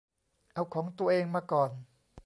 เอาของตัวเองมาก่อน